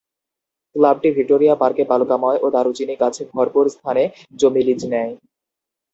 ক্লাবটি ভিক্টোরিয়া পার্কে বালুকাময় ও দারুচিনি গাছে ভরপুর স্থানে জমি লিজ নেয়।